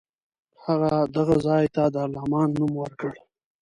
هغه دغه ځای ته دارالامان نوم ورکړ.